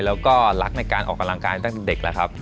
แล้วก็รักในการออกกำลังกายตั้งแต่เด็กแล้วครับ